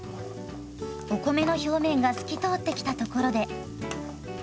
お米の表面が透き通ってきたところで。